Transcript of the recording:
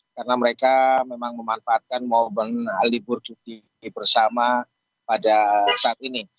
karena mereka memang memanfaatkan mobil hal libur di bersama pada saat ini